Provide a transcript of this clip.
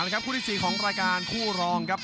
ครับคู่ที่๔ของรายการคู่รองครับ